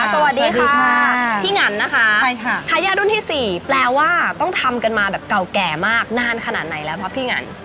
สวัสดีค่ะพี่งันนะคะทายาทรุ่นที่๔แปลว่าต้องทำกันมาแบบเก่าแก่มากนานขนาดไหนแล้วเพราะพี่งัน